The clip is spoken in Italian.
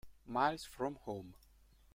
Miles from Home